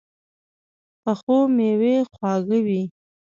پخو مېوې خواږه وي